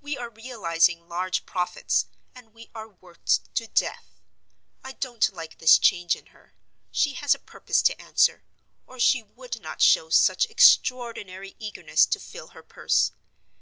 We are realizing large profits, and we are worked to death. I don't like this change in her: she has a purpose to answer, or she would not show such extraordinary eagerness to fill her purse.